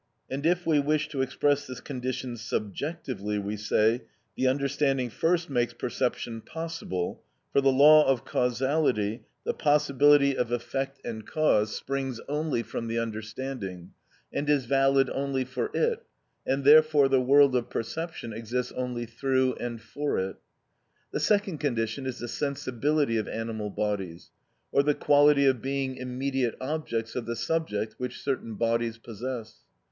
And if we wish to express this condition subjectively we say: The understanding first makes perception possible; for the law of causality, the possibility of effect and cause, springs only from the understanding, and is valid only for it, and therefore the world of perception exists only through and for it. The second condition is the sensibility of animal bodies, or the quality of being immediate objects of the subject which certain bodies possess.